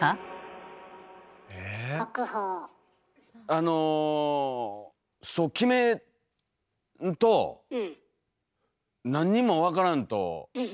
あのそう決めんと何にも分からんと。